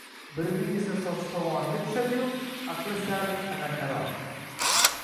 Birining esa sochi tovoniga tushadi-yu, aqli sal anaqaroq